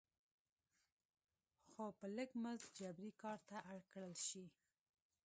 څو په لږ مزد جبري کار ته اړ کړل شي.